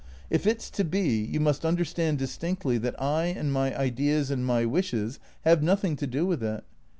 If it 's to be, you must understand distinctly that I and my ideas and my wishes have nothing to do with it.